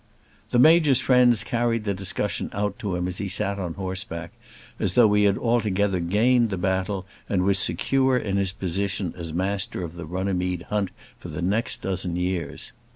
The Major's friends carried the discussion out to him as he sat on horseback, as though he had altogether gained the battle and was secure in his position as Master of the Runnymede Hunt for the next dozen years.